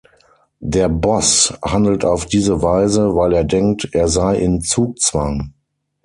Der "Boss" handelt auf diese Weise, weil er denkt, er sei in Zugzwang.